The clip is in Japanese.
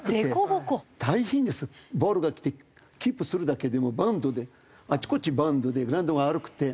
ボールが来てキープするだけでもうバウンドであっちこっちバウンドでグラウンドが悪くて。